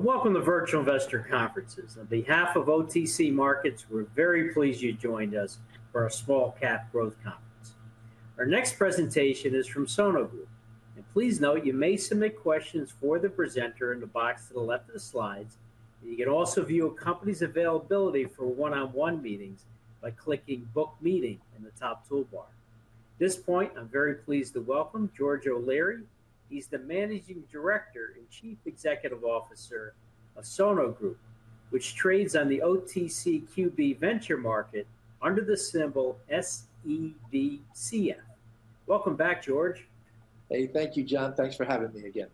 Welcome to Virtual Investor Conferences. On behalf of OTC Markets, we're very pleased you joined us for our Small Cap Growth Conference. Our next presentation is from Sono Group. Please note you may submit questions for the presenter in the box to the left of the slides. You can also view a company's availability for one-on-one meetings by clicking "Book Meeting" in the top toolbar. At this point, I'm very pleased to welcome George O'Leary. He's the Managing Director and Chief Executive Officer of Sono Group, which trades on the OTCQB venture market under the symbol SEVCF. Welcome back, George. Hey, thank you, John. Thanks for having me again.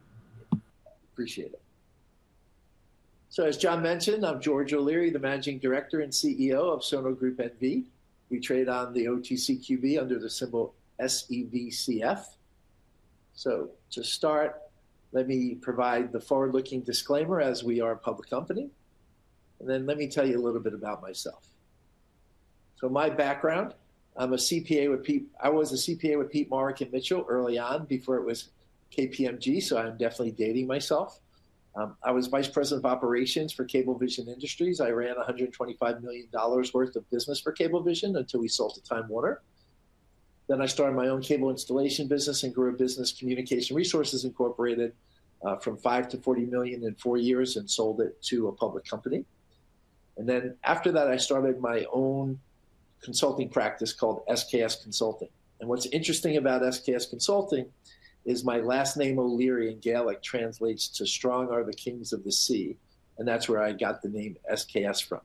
Appreciate it. As John mentioned, I'm George O'Leary, the Managing Director and CEO of Sono Group N.V. We trade on the OTCQB under the symbol SEVCF. To start, let me provide the forward-looking disclaimer as we are a public company. Let me tell you a little bit about myself. My background: I was a CPA with Pete Maurer at Mitchell early on before it was KPMG, so I'm definitely dating myself. I was Vice President of Operations for Cable Vision Industries. I ran $125 million worth of business for Cable Vision until we sold to Time Warner. I started my own cable installation business and grew a business, Communication Resources Incorporated, from $5 million-$40 million in four years and sold it to a public company. After that, I started my own consulting practice called SKS Consulting. What's interesting about SKS Consulting is my last name, O'Leary, in Gaelic translates to "Strong are the kings of the sea," and that's where I got the name SKS from.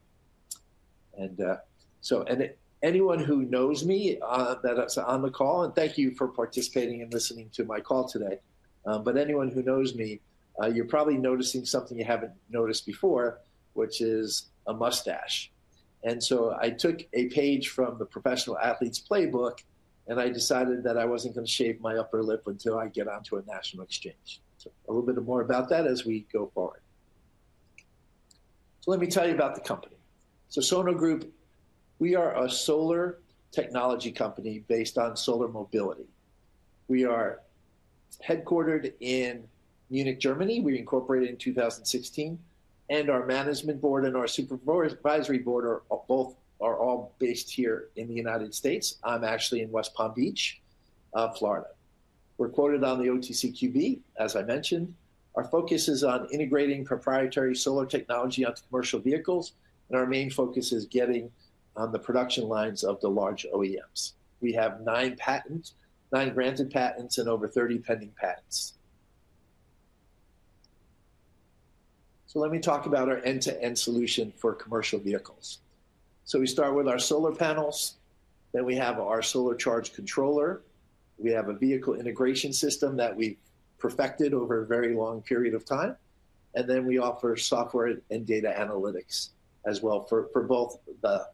Anyone who knows me that's on the call, thank you for participating and listening to my call today. Anyone who knows me, you're probably noticing something you haven't noticed before, which is a mustache. I took a page from the Professional Athlete's Playbook, and I decided that I wasn't going to shave my upper lip until I get onto a national exchange. A little bit more about that as we go forward. Let me tell you about the company. Sono Group, we are a solar technology company based on solar mobility. We are headquartered in Munich, Germany. We incorporated in 2016. Our management board and our supervisory board are all based here in the United States. I'm actually in West Palm Beach, Florida. We're quoted on the OTCQB, as I mentioned. Our focus is on integrating proprietary solar technology onto commercial vehicles, and our main focus is getting on the production lines of the large OEMs. We have nine patents, nine granted patents, and over 30 pending patents. Let me talk about our end-to-end solution for commercial vehicles. We start with our solar panels. Then we have our solar charge controller. We have a vehicle integration system that we've perfected over a very long period of time. We offer software and data analytics as well for both the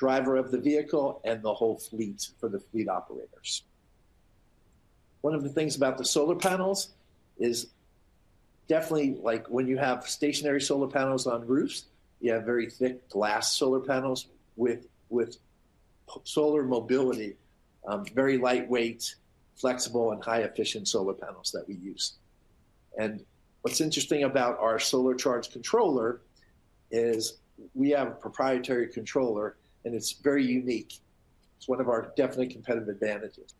driver of the vehicle and the whole fleet for the fleet operators. One of the things about the solar panels is definitely, like, when you have stationary solar panels on roofs, you have very thick glass solar panels. With solar mobility, very lightweight, flexible, and high-efficiency solar panels that we use. What's interesting about our Solar Charge Controller is we have a proprietary controller, and it's very unique. It's one of our definite competitive advantages.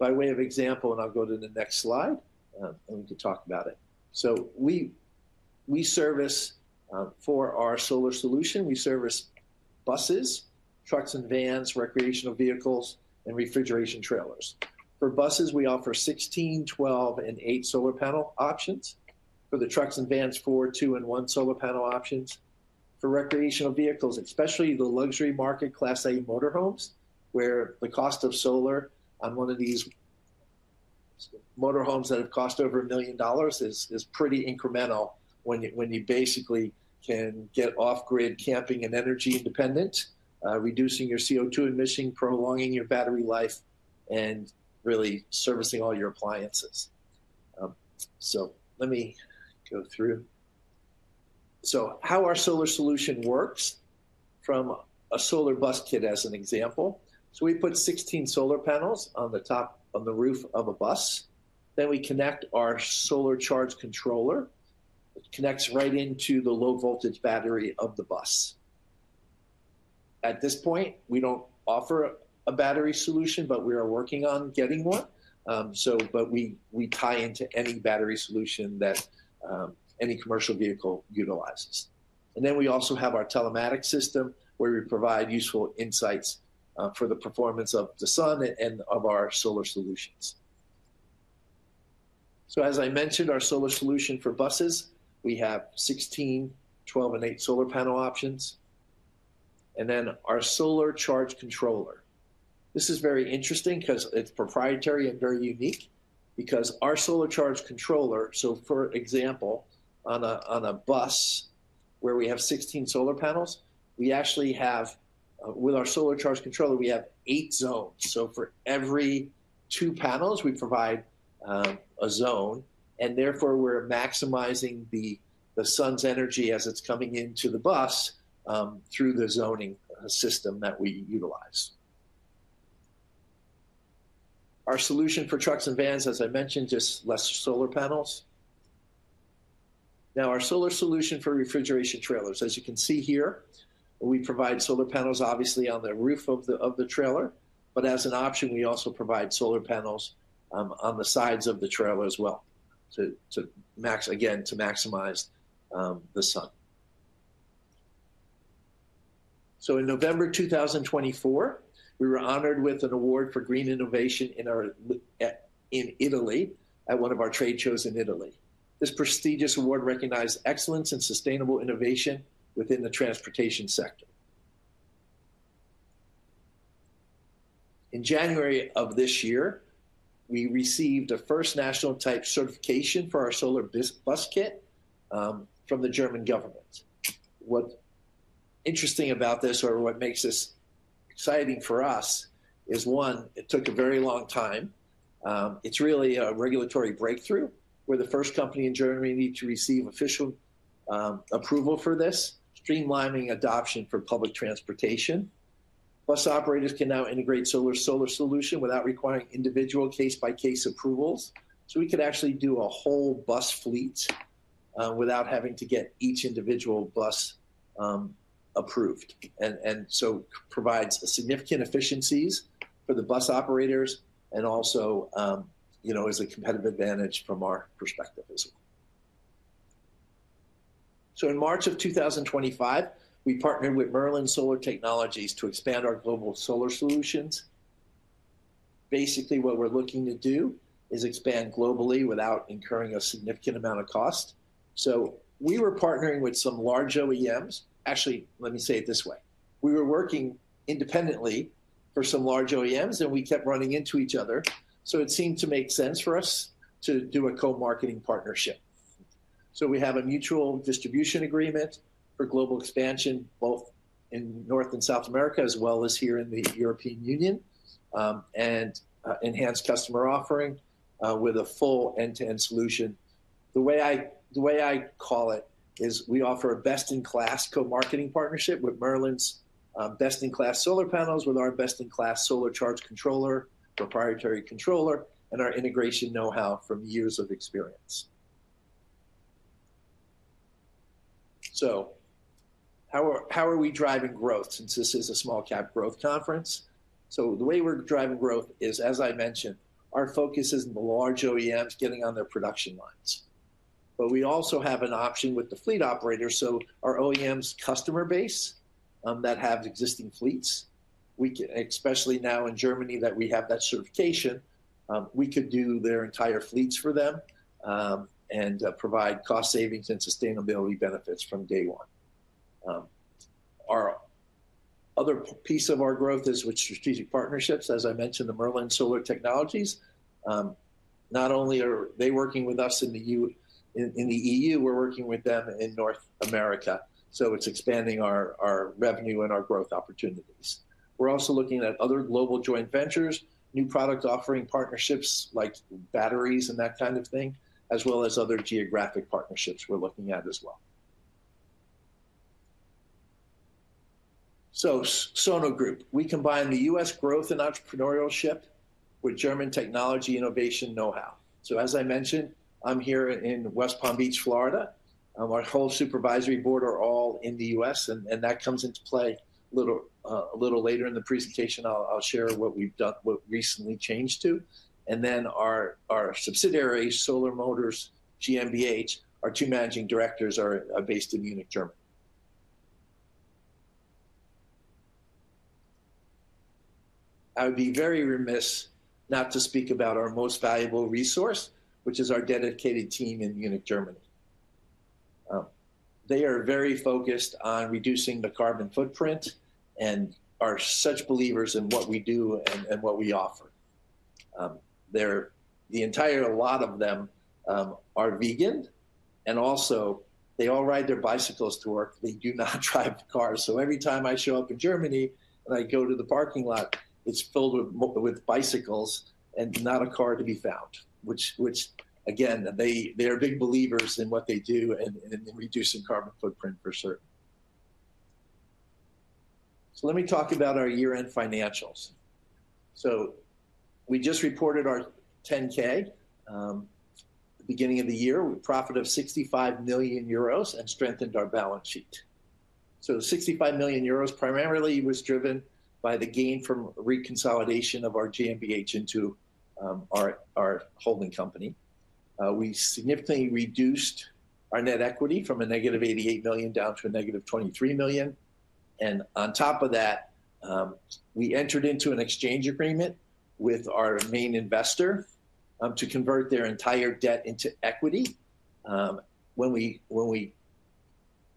By way of example, I'll go to the next slide, and we can talk about it. We service, for our solar solution, we service buses, trucks and vans, recreational vehicles, and refrigeration trailers. For buses, we offer 16, 12, and eight solar panel options. For the trucks and vans, four, two, and one solar panel options. For recreational vehicles, especially the luxury market, Class A motorhomes, where the cost of solar on one of these motorhomes that have cost over $1 million is pretty incremental when you basically can get off-grid camping and energy independent, reducing your CO2 emission, prolonging your battery life, and really servicing all your appliances. Let me go through. How our solar solution works from a Solar Bus Kit, as an example. We put 16 solar panels on the top of the roof of a bus. We connect our Solar Charge Controller. It connects right into the low-voltage battery of the bus. At this point, we do not offer a battery solution, but we are working on getting one. We tie into any battery solution that any commercial vehicle utilizes. We also have our telematics system where we provide useful insights for the performance of the sun and of our solar solutions. As I mentioned, our solar solution for buses, we have 16, 12, and eight solar panel options. Our solar charge controller is very interesting because it is proprietary and very unique. For example, on a bus where we have 16 solar panels, with our solar charge controller, we have eight zones. For every two panels, we provide a zone, and therefore we are maximizing the sun's energy as it is coming into the bus through the zoning system that we utilize. Our solution for trucks and vans, as I mentioned, just has fewer solar panels. Now, our solar solution for refrigeration trailers, as you can see here, we provide solar panels, obviously, on the roof of the trailer, but as an option, we also provide solar panels on the sides of the trailer as well to, again, to maximize the sun. In November 2024, we were honored with an award for green innovation in Italy at one of our trade shows in Italy. This prestigious award recognized excellence and sustainable innovation within the transportation sector. In January of this year, we received a first national-type certification for our Solar Bus Kit from the German government. What's interesting about this, or what makes this exciting for us, is one, it took a very long time. It's really a regulatory breakthrough where the first company in Germany needed to receive official approval for this, streamlining adoption for public transportation. Bus operators can now integrate solar solution without requiring individual case-by-case approvals. We could actually do a whole bus fleet without having to get each individual bus approved. It provides significant efficiencies for the bus operators and also, you know, as a competitive advantage from our perspective as well. In March of 2025, we partnered with Merlin Solar Technologies to expand our global solar solutions. Basically, what we are looking to do is expand globally without incurring a significant amount of cost. We were partnering with some large OEMs. Actually, let me say it this way. We were working independently for some large OEMs, and we kept running into each other. It seemed to make sense for us to do a co-marketing partnership. We have a mutual distribution agreement for global expansion, both in North and South America, as well as here in the European Union, and enhanced customer offering with a full end-to-end solution. The way I call it is we offer a best-in-class co-marketing partnership with Merlin's best-in-class solar panels with our best-in-class solar charge controller, proprietary controller, and our integration know-how from years of experience. How are we driving growth since this is a Small Cap Growth Conference? The way we're driving growth is, as I mentioned, our focus is on the large OEMs getting on their production lines. We also have an option with the fleet operators. Our OEMs' customer base that have existing fleets, especially now in Germany that we have that certification, we could do their entire fleets for them and provide cost savings and sustainability benefits from day one. Our other piece of our growth is with strategic partnerships. As I mentioned, the Merlin Solar Technologies, not only are they working with us in the EU, we're working with them in North America. It's expanding our revenue and our growth opportunities. We're also looking at other global joint ventures, new product offering partnerships like batteries and that kind of thing, as well as other geographic partnerships we're looking at as well. Sono Group, we combine the U.S. growth and entrepreneurship with German technology innovation know-how. As I mentioned, I'm here in West Palm Beach, Florida. Our whole Supervisory Board are all in the U.S., and that comes into play a little later in the presentation. I'll share what we've done, what recently changed too. Our subsidiary, Solar Motors GmbH, our two Managing Directors are based in Munich, Germany. I would be very remiss not to speak about our most valuable resource, which is our dedicated team in Munich, Germany. They are very focused on reducing the carbon footprint and are such believers in what we do and what we offer. The entire, a lot of them are vegan, and also they all ride their bicycles to work. They do not drive cars. Every time I show up in Germany and I go to the parking lot, it is filled with bicycles and not a car to be found, which, again, they are big believers in what they do and in reducing carbon footprint for certain. Let me talk about our year-end financials. We just reported our 10-K at the beginning of the year. We profited 65 million euros and strengthened our balance sheet. 65 million euros primarily was driven by the gain from reconsolidation of our GmbH into our holding company. We significantly reduced our net equity from a negative $88 million down to a negative $23 million. On top of that, we entered into an exchange agreement with our main investor to convert their entire debt into equity. When we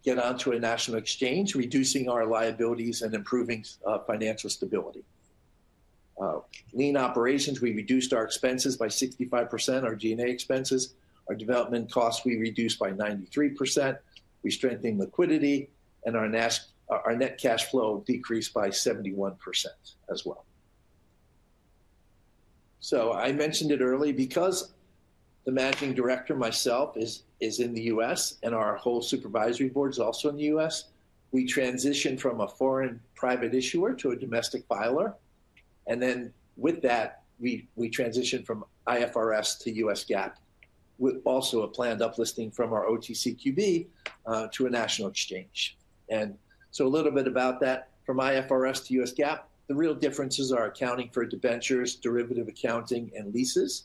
get onto a national exchange, reducing our liabilities and improving financial stability. Lean operations, we reduced our expenses by 65%, our G&A expenses. Our development costs we reduced by 93%. We strengthened liquidity, and our net cash flow decreased by 71% as well. I mentioned it early because the Managing Director myself is in the U.S., and our whole supervisory board is also in the U.S. We transitioned from a foreign private issuer to a domestic filer. With that, we transitioned from IFRS to U.S. GAAP. GAAP, with also a planned uplisting from our OTCQB to a national exchange. A little bit about that. From IFRS to U.S. GAAP, the real differences are accounting for debentures, derivative accounting, and leases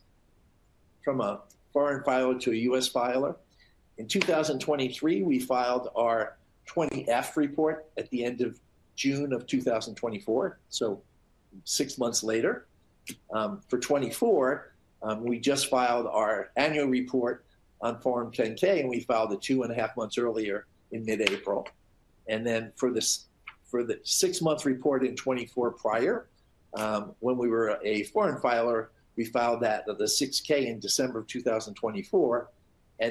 from a foreign filer to a U.S. filer. In 2023, we filed our 20-F report at the end of June 2024, so six months later. For 2024, we just filed our annual report on Form 10-K, and we filed it two and a half months earlier in mid-April. For the six-month report in 2024 prior, when we were a foreign filer, we filed that on the 6-K in December 2024.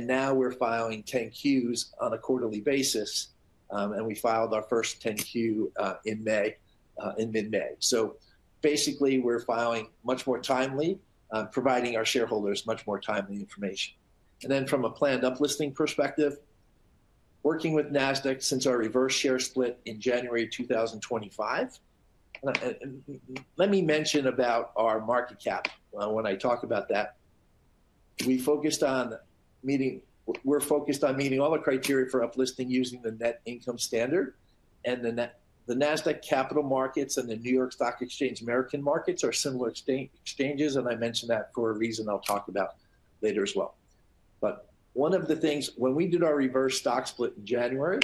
Now we are filing 10-Qs on a quarterly basis, and we filed our first 10-Q in mid-May. Basically, we are filing much more timely, providing our shareholders much more timely information. From a planned uplisting perspective, working with Nasdaq since our reverse share split in January 2025. Let me mention about our market cap when I talk about that. We are focused on meeting all the criteria for uplisting using the net income standard. The Nasdaq Capital Markets and the New York Stock Exchange American Markets are similar exchanges. I mention that for a reason I will talk about later as well. One of the things, when we did our reverse share split in January,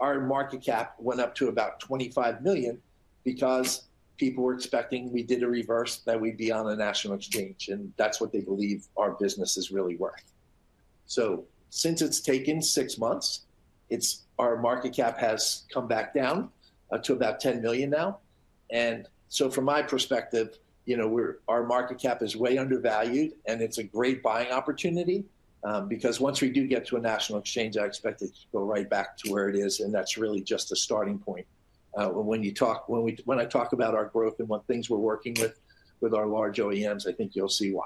our market cap went up to about $25 million because people were expecting since we did a reverse that we would be on a national exchange. That is what they believe our business is really worth. Since it has taken six months, our market cap has come back down to about $10 million now. From my perspective, you know, our market cap is way undervalued, and it's a great buying opportunity because once we do get to a national exchange, I expect it to go right back to where it is. That is really just a starting point. When you talk, when I talk about our growth and what things we're working with with our large OEMs, I think you'll see why.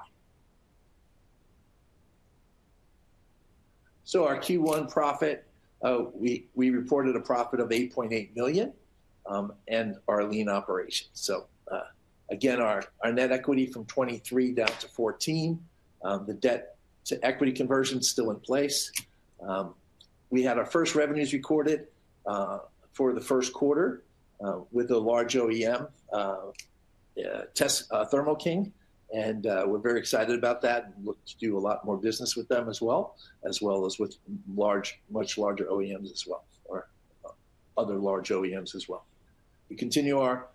Our Q1 profit, we reported a profit of $8.8 million and our lean operations. Again, our net equity from $23 million down to $14 million. The debt-to-equity conversion is still in place. We had our first revenues recorded for the first quarter with a large OEM, Thermo King, and we're very excited about that and look to do a lot more business with them as well, as well as with much larger OEMs or other large OEMs as well. We continued our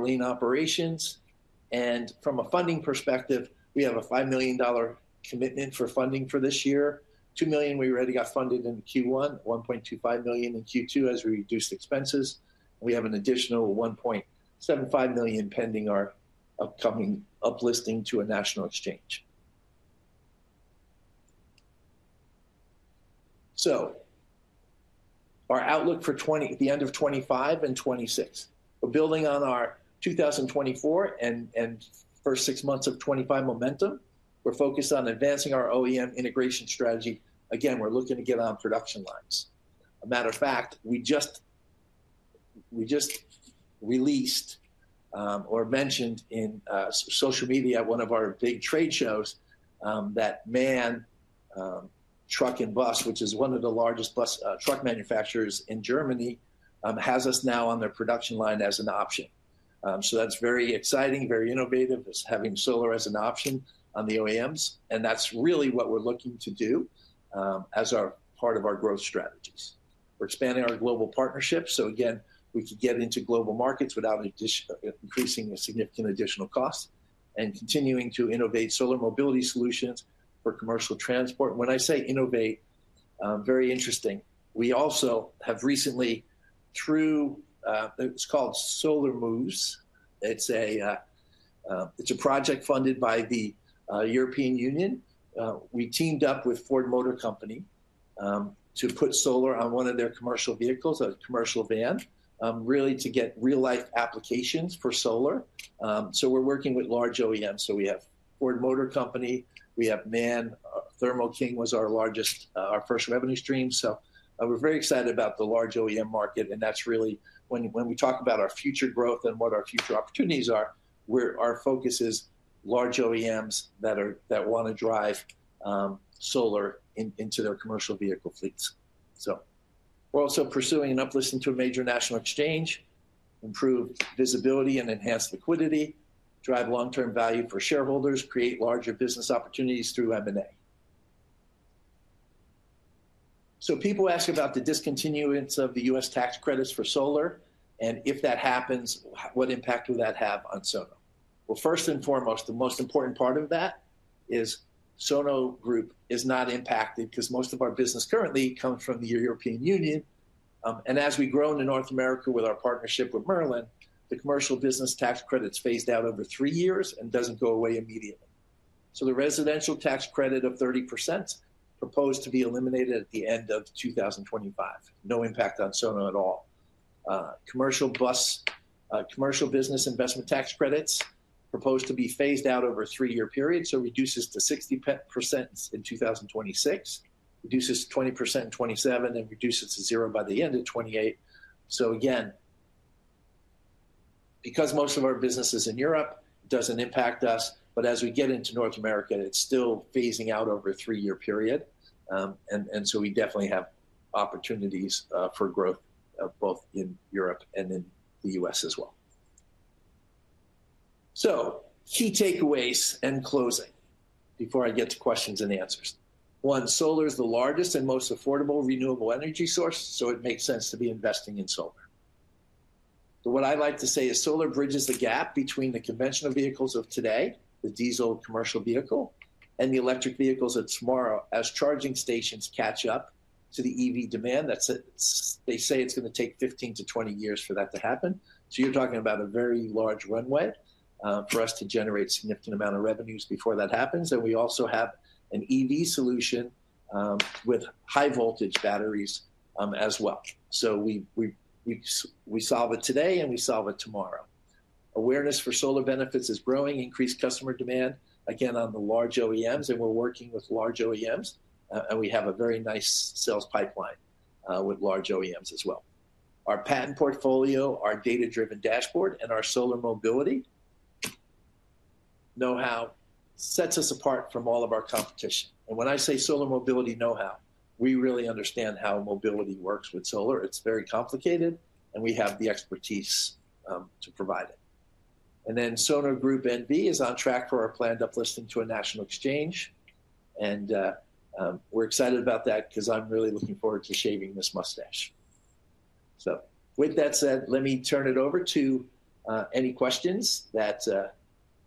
lean operations. From a funding perspective, we have a $5 million commitment for funding for this year. $2 million we already got funded in Q1, $1.25 million in Q2 as we reduced expenses. We have an additional $1.75 million pending our upcoming uplisting to a national exchange. Our outlook for the end of 2025 and 2026, we're building on our 2024 and first six months of 2025 momentum. We're focused on advancing our OEM integration strategy. Again, we're looking to get on production lines. a matter of fact, we just released or mentioned in social media at one of our big trade shows that MAN Truck and Bus, which is one of the largest bus truck manufacturers in Germany, has us now on their production line as an option. That is very exciting, very innovative, is having solar as an option on the OEMs. That is really what we are looking to do as part of our growth strategies. We are expanding our global partnership. Again, we could get into global markets without increasing a significant additional cost and continuing to innovate solar mobility solutions for commercial transport. When I say innovate, very interesting. We also have recently, through, it is called Solar Moves. It is a project funded by the European Union. We teamed up with Ford Motor Company to put solar on one of their commercial vehicles, a commercial van, really to get real-life applications for solar. So, we're working with large OEMs. We have Ford Motor Company. We have MAN. Thermo King was our largest, our first revenue stream. We're very excited about the large OEM market. That's really when we talk about our future growth and what our future opportunities are, our focus is large OEMs that want to drive solar into their commercial vehicle fleets. We're also pursuing an uplisting to a major national exchange, improve visibility and enhance liquidity, drive long-term value for shareholders, create larger business opportunities through M&A. People ask about the discontinuance of the U.S. tax credits for solar. If that happens, what impact will that have on Sono? First and foremost, the most important part of that is Sono Group is not impacted because most of our business currently comes from the European Union. As we grow in North America with our partnership with Merlin, the commercial business tax credit is phased out over three years and does not go away immediately. The residential tax credit of 30% is proposed to be eliminated at the end of 2025. No impact on Sono at all. Commercial business investment tax credits are proposed to be phased out over a three-year period. It reduces to 60% in 2026, reduces to 20% in 2027, and reduces to zero by the end of 2028. Again, because most of our business is in Europe, it does not impact us. As we get into North America, it is still phasing out over a three-year period. We definitely have opportunities for growth both in Europe and in the U.S. as well. Key takeaways and closing before I get to questions and answers. One, solar is the largest and most affordable renewable energy source. It makes sense to be investing in solar. What I like to say is solar bridges the gap between the conventional vehicles of today, the diesel commercial vehicle, and the electric vehicles of tomorrow as charging stations catch up to the EV demand. They say it is going to take 15 years-20 years for that to happen. You are talking about a very large runway for us to generate a significant amount of revenues before that happens. We also have an EV solution with high-voltage batteries as well. We solve it today and we solve it tomorrow. Awareness for solar benefits is growing, increased customer demand, again, on the large OEMs. We are working with large OEMs. We have a very nice sales pipeline with large OEMs as well. Our patent portfolio, our data-driven dashboard, and our solar mobility know-how set us apart from all of our competition. When I say solar mobility know-how, we really understand how mobility works with solar. It is very complicated, and we have the expertise to provide it. Sono Group N.V. is on track for our planned uplisting to a national exchange. We are excited about that because I am really looking forward to shaving this mustache. With that said, let me turn it over to any questions that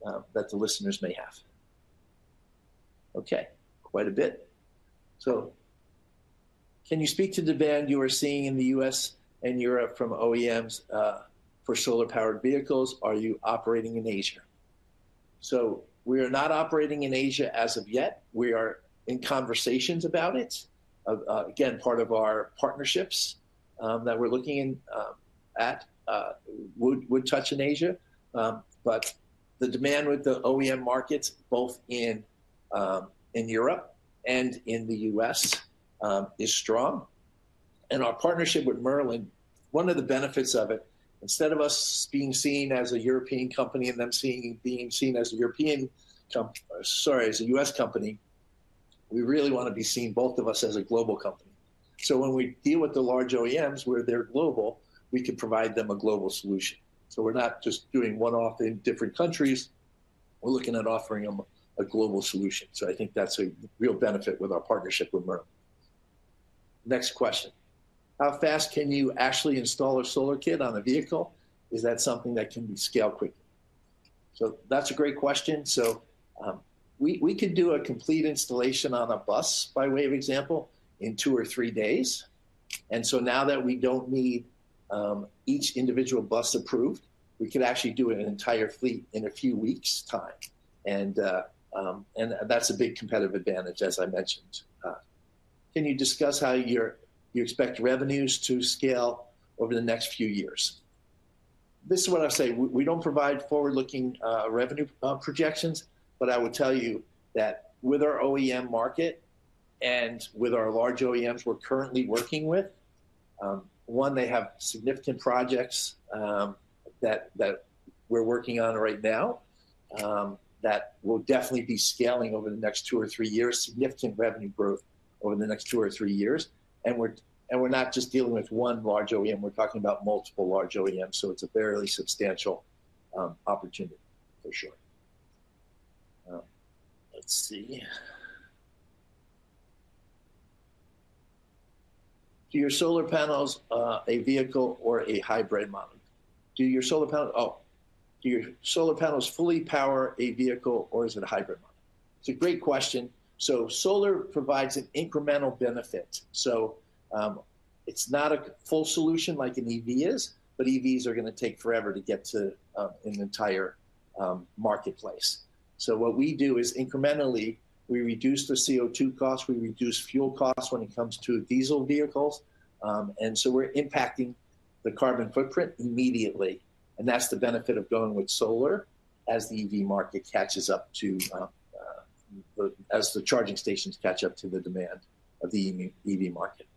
the listeners may have. Okay, quite a bit. Can you speak to the demand you are seeing in the U.S. and Europe from OEMs for solar-powered vehicles? Are you operating in Asia? We are not operating in Asia as of yet. We are in conversations about it. Again, part of our partnerships that we're looking at would touch in Asia. The demand with the OEM markets, both in Europe and in the U.S., is strong. Our partnership with Merlin, one of the benefits of it, instead of us being seen as a European company and them being seen as a U.S. company, we really want to be seen both of us as a global company. When we deal with the large OEMs where they're global, we can provide them a global solution. We are not just doing one-off in different countries. We are looking at offering them a global solution. I think that's a real benefit with our partnership with Merlin. Next question. How fast can you actually install a solar kit on a vehicle? Is that something that can be scaled quickly? That's a great question. We could do a complete installation on a bus, by way of example, in two or three days. Now that we don't need each individual bus approved, we could actually do an entire fleet in a few weeks' time. That's a big competitive advantage, as I mentioned. Can you discuss how you expect revenues to scale over the next few years? This is what I'll say. We don't provide forward-looking revenue projections, but I will tell you that with our OEM market and with our large OEMs we're currently working with, one, they have significant projects that we're working on right now that will definitely be scaling over the next two or three years, significant revenue growth over the next two or three years. We're not just dealing with one large OEM. We're talking about multiple large OEMs. It is a fairly substantial opportunity for sure. Let's see. Do your solar panels a vehicle or a hybrid model? Do your solar panels, oh, do your solar panels fully power a vehicle or is it a hybrid model? It's a great question. Solar provides an incremental benefit. It's not a full solution like an EV is, but EVs are going to take forever to get to an entire marketplace. What we do is incrementally, we reduce the CO2 cost. We reduce fuel costs when it comes to diesel vehicles. We're impacting the carbon footprint immediately. That's the benefit of going with solar as the EV market catches up to, as the charging stations catch up to the demand of the EV market.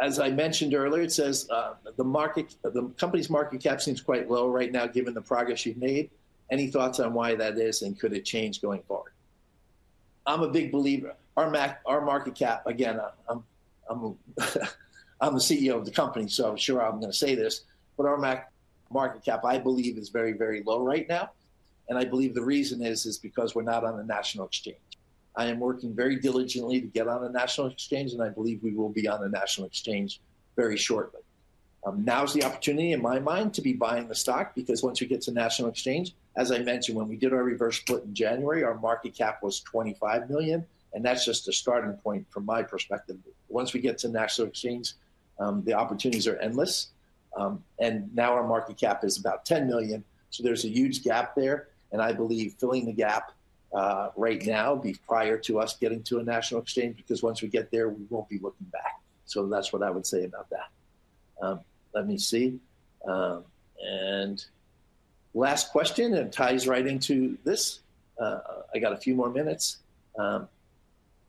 As I mentioned earlier, the company's market cap seems quite low right now given the progress you've made. Any thoughts on why that is and could it change going forward? I'm a big believer. Our market cap, again, I'm the CEO of the company, so I'm sure I'm going to say this, but our market cap, I believe, is very, very low right now. I believe the reason is because we're not on a national exchange. I am working very diligently to get on a national exchange, and I believe we will be on a national exchange very shortly. Now's the opportunity in my mind to be buying the stock because once we get to national exchange, as I mentioned, when we did our reverse split in January, our market cap was $25 million. That is just a starting point from my perspective. Once we get to national exchange, the opportunities are endless. Now our market cap is about $10 million. There is a huge gap there. I believe filling the gap right now would be prior to us getting to a national exchange because once we get there, we will not be looking back. That is what I would say about that. Let me see. Last question, and it ties right into this. I got a few more minutes.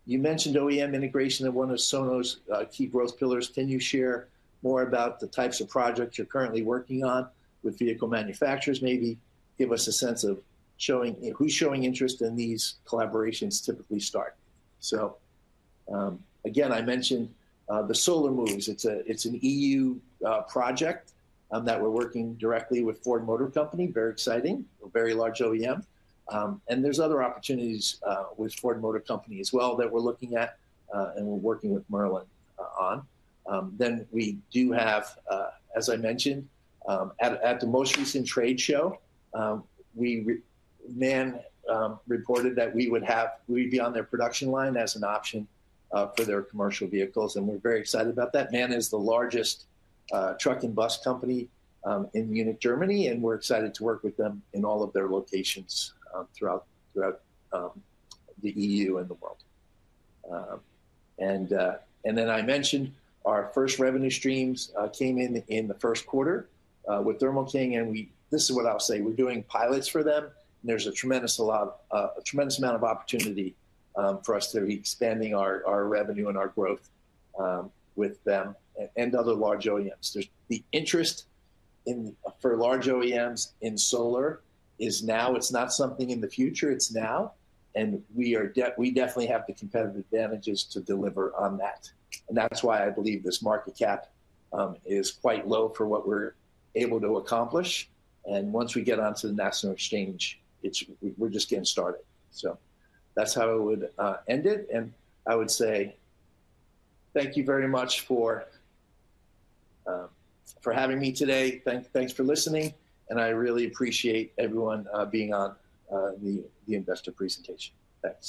You mentioned OEM integration and one of Sono's key growth pillars. Can you share more about the types of projects you're currently working on with vehicle manufacturers? Maybe give us a sense of showing who's showing interest in these collaborations typically start. I mentioned the Solar Moves. It is an EU project that we're working directly with Ford Motor Company. Very exciting. Very large OEM. There are other opportunities with Ford Motor Company as well that we're looking at and we're working with Merlin on. We do have, as I mentioned, at the most recent trade show, MAN reported that we would be on their production line as an option for their commercial vehicles. We are very excited about that. MAN is the largest truck and bus company in Munich, Germany. We're excited to work with them in all of their locations throughout the EU and the world. I mentioned our first revenue streams came in in the first quarter with Thermo King. This is what I'll say. We're doing pilots for them. There's a tremendous amount of opportunity for us to be expanding our revenue and our growth with them and other large OEMs. The interest for large OEMs in solar is now. It's not something in the future. It's now. We definitely have the competitive advantages to deliver on that. That's why I believe this market cap is quite low for what we're able to accomplish. Once we get onto the national exchange, we're just getting started. That's how I would end it. I would say thank you very much for having me today. Thanks for listening. I really appreciate everyone being on the investor presentation. Thanks.